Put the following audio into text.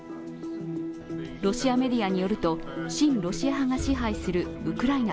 ロシアメディアによると親ロシア派が支配するウクライナ